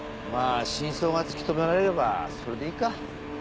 まぁ真相が突き止められればそれでいいか。